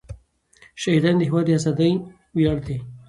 شهیدان د هېواد د ازادۍ ویاړ دی.